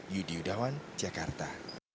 yudi udawan jakarta